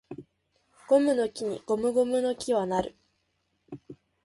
ゴムの木にゴムゴムの木は成る